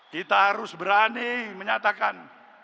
kita harus berani menyatakan